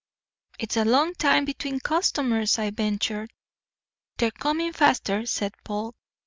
"It's a long time between customers," I ventured. "They're coming faster," said Polk.